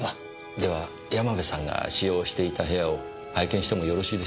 では山部さんが使用していた部屋を拝見してもよろしいでしょうか。